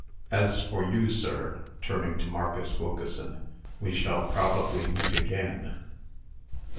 As for you, sir," turning to Marcus Wilkeson, "we shall probably meet again."